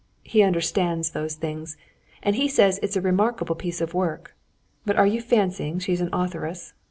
He understands those things, and he says it's a remarkable piece of work. But are you fancying she's an authoress?